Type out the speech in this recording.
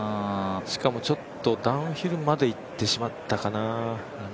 しかも、ちょっとダウンヒルまでいってしまったかな。